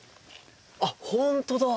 あっ本当だ。